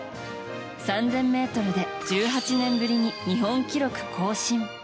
３０００ｍで１８年ぶりに日本新記録更新。